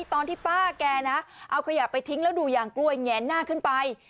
ตอนที่ป้าแกนะเอาขยะไปทิ้งแล้วดูยางกล้วยแงนหน้าขึ้นไป